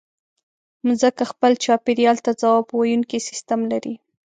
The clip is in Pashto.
مځکه خپل چاپېریال ته ځواب ویونکی سیستم لري.